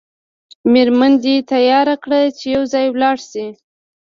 میرمن دې تیاره کړه چې یو ځای ولاړ شئ.